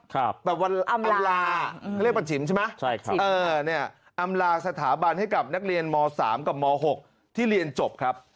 ครับอำลาใช่ไหมอำลาสถาบันให้กับนักเรียนม๓กับม๖ที่เรียนจบครับ